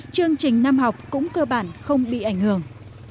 chương trình năm học cũng cơ bản không bị ảnh hưởng